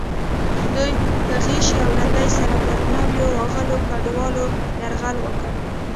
دوی په غشي او لیندۍ سره پر نویو راغلو کډوالو یرغل وکړ.